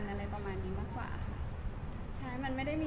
มันไม่มีคำสัญญาอะไร